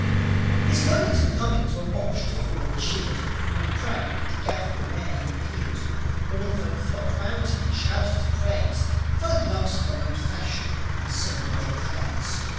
His goings and comings were watched for and cheered; And a crowd quickly gathered where'er he appeared. All the folk flocked around him and shouted his praise; For the Glugs followed fashion, and Sym was a craze.